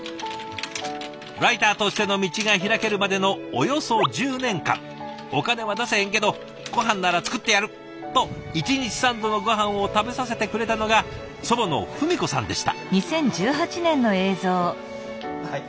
ライターとしての道が開けるまでのおよそ１０年間「お金は出せへんけどごはんなら作ってやる」と１日３度のごはんを食べさせてくれたのが祖母の文子さんでした。